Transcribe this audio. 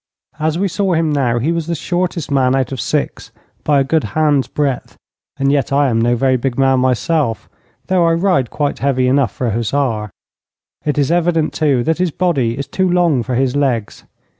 As we saw him now he was the shortest man out of six by a good hand's breadth, and yet I am no very big man myself, though I ride quite heavy enough for a hussar. It is evident, too, that his body is too long for his legs.